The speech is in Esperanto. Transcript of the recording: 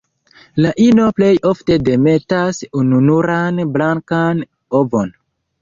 La ino plej ofte demetas ununuran blankan ovon.